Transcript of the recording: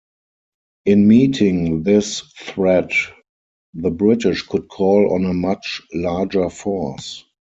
In meeting this threat, the British could call on a much larger force.